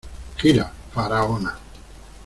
Gira, ¡Faraona!